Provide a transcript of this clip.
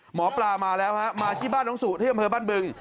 หมอปลามาแล้วมาที่บ้านน้องสุที่บ้านบึง